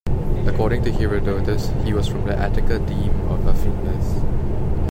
According to Herodotus he was from the Attica deme of Afidnes.